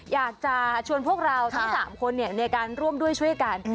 อยากจะชวนพวกเราทั้ง๓คนในการร่วมด้วยช่วยกัน